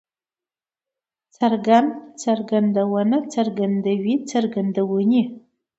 څرګند، څرګندونه، څرګندوی، څرګندونې